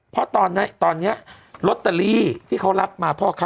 เพราะตอนไหนตอนเนี้ยรถตาลีที่เขารับมาพ่อค่าแม่เขา